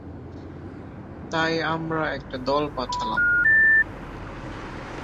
তাই আমরা আর একটা দল পাঠালাম।